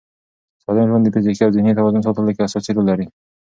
سالم ژوند د فزیکي او ذهني توازن ساتلو کې اساسي رول لري.